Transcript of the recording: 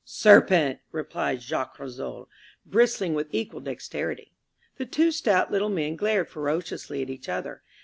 "Serpent!" replied Jacques Rissole, bristling with equal dexterity. The two stout little men glared ferociously at each other.